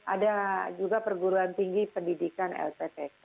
ada juga perguruan tinggi pendidikan lptk